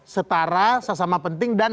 setara sama sama penting dan